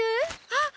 あっ！